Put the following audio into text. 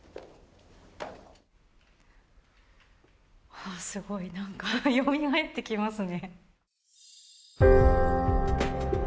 おおすごいなんかよみがえってきますね